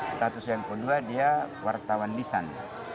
status yang kedua dia wartawan lisan